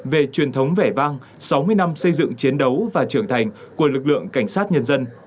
về truyền thống vẻ vang sáu mươi năm xây dựng chiến đấu và trưởng thành của lực lượng cảnh sát nhân dân